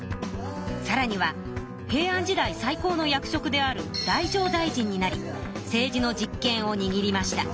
さらには平安時代最高の役職である太政大臣になり政治の実権をにぎりました。